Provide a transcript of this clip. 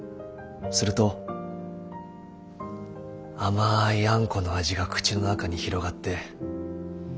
すると甘いあんこの味が口の中に広がって。